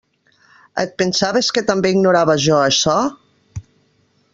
Et pensaves que també ignorava jo açò?